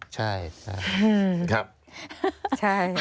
ใช่ใช่